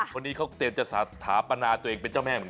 วันนี้เขาเตรนจะสถาปรรณาตัวเองมาเป็นเจ้าแม่